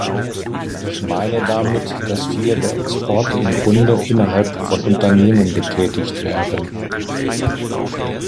Ich meine damit, dass viele der Exporte im Grunde innerhalb von Unternehmen getätigt werden.